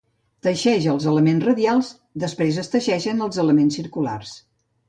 Teixeix els elements radials, després es teixeixen els elements circulars.